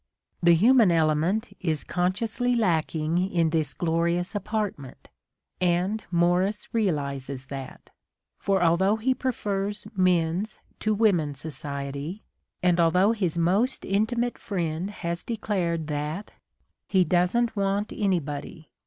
The human element is consciously lacking in this glorious apartment : and Morris realizes that. For although he prefers men's to women's society, and although his most intimate friend has declared that, He doesn't want anybody.